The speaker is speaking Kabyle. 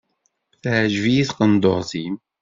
Teɛǧeb-iyi tqendurt-im.